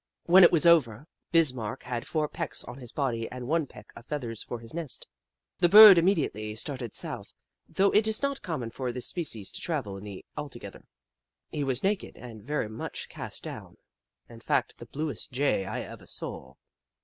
When it was over, Bismarck had four pecks on his body and one peck of feathers for his nest. The Bird immediately started south, though it is not common for this species to travel in the altogether. He was naked and very much cast down — in fact, the bluest jay I ever saw.